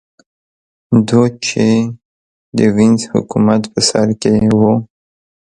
دوج چې د وینز حکومت په سر کې و